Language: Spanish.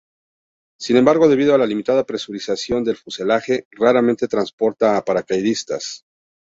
Sin embargo, debido a la limitada presurización del fuselaje, raramente transporta a paracaidistas.